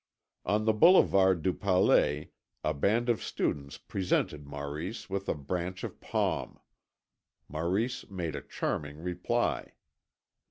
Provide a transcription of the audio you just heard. On the Boulevard du Palais a band of students presented Maurice with a branch of palm. Maurice made a charming reply.